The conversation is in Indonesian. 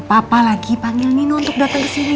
papa lagi panggil nino untuk datang kesini